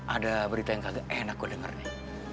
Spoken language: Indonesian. ada berita yang kaget eh enak gua denger nih